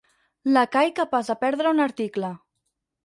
Lacai capaç de perdre un article.